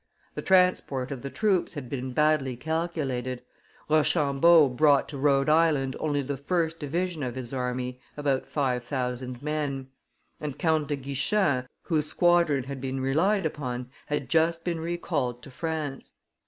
The transport of the troops had been badly calculated; Rochambeau brought to Rhode Island only the first division of his army, about five thousand men; and Count de Guichen, whose squadron had been relied upon, had just been recalled to France.